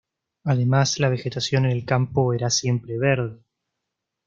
Además la vegetación en el campo era siempre verde.